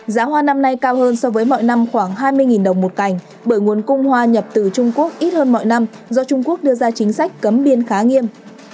giá hoa năm nay cao hơn so với mọi năm khoảng hai mươi đồng một cành bởi nguồn cung hoa nhập từ trung quốc ít hơn mọi năm do trung quốc đưa ra chính sách cấm biên khá nghiêm